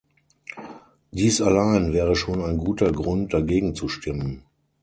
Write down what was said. Dies allein wäre schon ein guter Grund, dagegen zu stimmen.